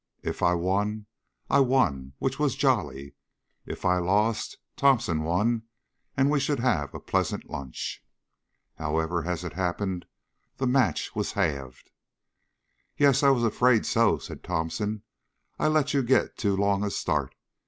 If I won, I won which was jolly; if I lost, Thomson won and we should have a pleasant lunch. However, as it happened, the match was halved. "Yes, I was afraid so," said Thomson; "I let you get too long a start.